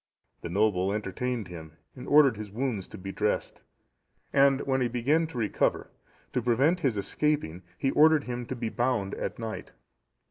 The noble entertained him, and ordered his wounds to be dressed, and when he began to recover, to prevent his escaping, he ordered him to be bound at night.